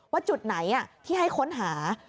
ว่าจุดไหนที่ให้ค้นหา